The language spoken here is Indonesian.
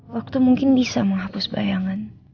waktu mungkin bisa menghapus bayangan